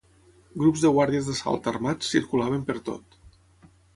Grups de guàrdies d'assalt armats circulaven pertot